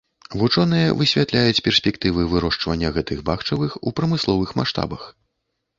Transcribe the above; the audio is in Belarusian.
Вучоныя высвятляюць перспектывы вырошчвання гэтых бахчавых у прамысловых маштабах.